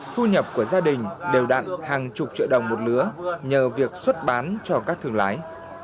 thu nhập của gia đình đều đặn hàng chục triệu đồng một lứa nhờ việc xuất bán cho các thương lái